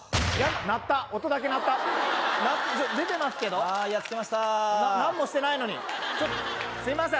鳴った音だけ鳴った出てますけどはーいやっつけました何もしてないのにすいません